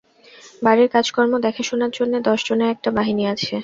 বাড়ির কাজকর্ম দেখাশোনার জন্যে দশজনের একটা বাহিনী আছে।